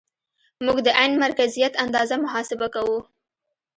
موږ د عین مرکزیت اندازه محاسبه کوو